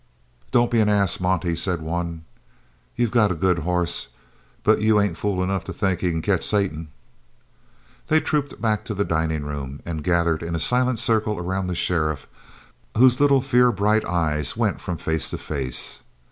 "Don't be an ass, Monte," said one. "You got a good hoss, but you ain't fool enough to think he c'n catch Satan?" They trooped back to the dining room, and gathered in a silent circle around the sheriff, whose little fear bright eyes went from face to face.